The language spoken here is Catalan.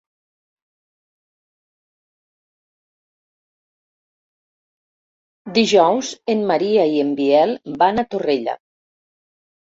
Dijous en Maria i en Biel van a Torrella.